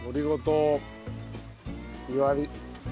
弱火。